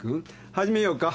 始めようか。